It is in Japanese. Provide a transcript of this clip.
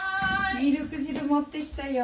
ミルク汁持ってきたよ。